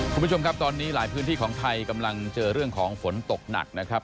คุณผู้ชมครับตอนนี้หลายพื้นที่ของไทยกำลังเจอเรื่องของฝนตกหนักนะครับ